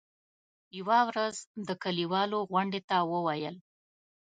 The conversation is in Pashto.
يوه ورځ د کلیوالو غونډې ته وویل.